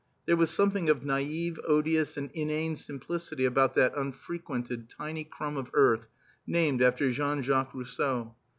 There was something of naive, odious, and inane simplicity about that unfrequented tiny crumb of earth named after Jean Jacques Rousseau.